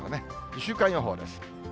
週間予報です。